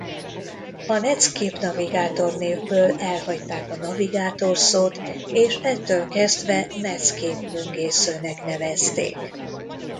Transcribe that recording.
A Netscape Navigator névből elhagyták a Navigator szót és ettől kezdve Netscape böngészőnek nevezték.